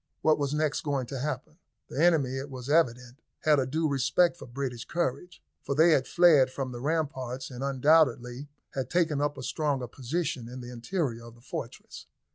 What was next going to happen? The enemy, it was evident, had a due respect for British courage, for they had fled from the ramparts and undoubtedly had taken up a stronger position in the interior of the fortress.